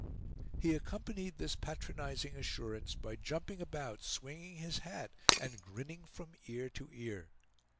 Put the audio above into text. He accompanied this patronizing assurance by jumping about swinging his hat, and grinning from ear to ear.